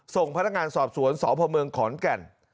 ส่งพนักงานสอบสวนสพเมืองขอนแก่น